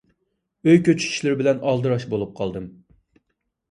ئۆي كۆچۈش ئىشلىرى بىلەن ئالدىراش بولۇپ قالدىم.